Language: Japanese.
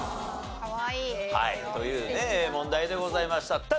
はいという問題でございました。